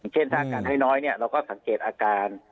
อย่างเช่นถ้าอาการให้น้อยเนี่ยเราก็สังเกตอาการ